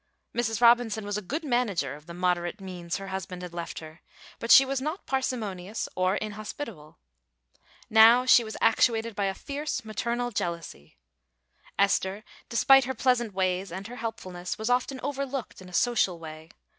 Mrs. Robinson was a good manager of the moderate means her husband had left her, but she was not parsimonious or inhospitable. Now she was actuated by a fierce maternal jealousy. Esther, despite her pleasant ways and her helpfulness, was often overlooked in a social way.